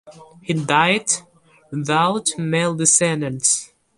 He died without male descendants.